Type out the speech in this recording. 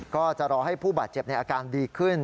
ก็จะรอให้ผู้บาดเจ็บในอาการดีขึ้น